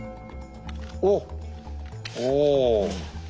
おっおお。